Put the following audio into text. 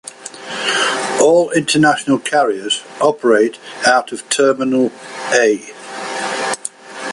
All international carriers operate out of Terminal A.